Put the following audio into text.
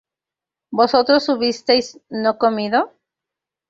¿vosotros hubisteis no comido?